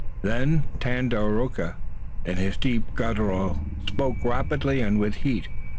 Then Tandakora, in his deep guttural, spoke rapidly and with heat.